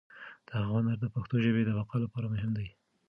د هغه هنر د پښتو ژبې د بقا لپاره مهم دی.